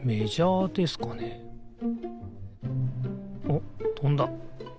おっとんだ。